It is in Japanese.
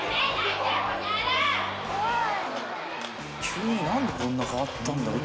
急になんでこんなに変わったんだろう？